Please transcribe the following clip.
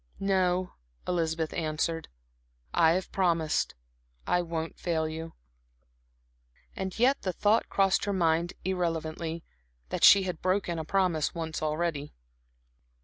"No," Elizabeth answered, "I have promised I won't fail you." And yet the thought crossed her mind irrelevantly, that she had broken a promise once already.